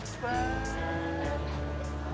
lama gak ketemu